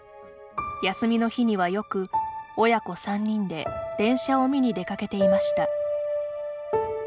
休みの日にはよく、親子３人で電車を見に出かけていました。